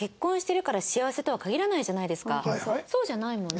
そうじゃないもんね。